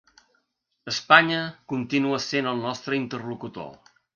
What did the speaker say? Espanya continua sent el nostre interlocutor.